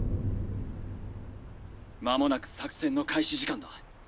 間もなく作戦の開始時間だ。